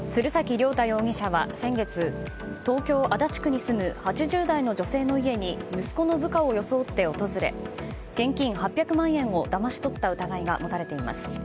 綾太容疑者は先月東京・足立区に住む８０代の女性の家に息子の部下を装って訪れ現金８００万円をだまし取った疑いが持たれています。